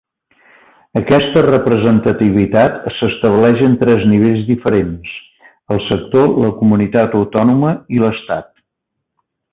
Aquesta representativitat s'estableix en tres nivells diferents: el sector, la comunitat autònoma i l'estat.